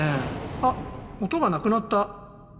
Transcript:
あ音がなくなった。